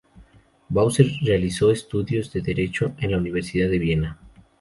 Bauer realizó estudios de derecho en la Universidad de Viena.